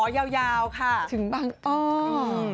อ๋อยาวค่ะถึงบ้างอ๋ออืม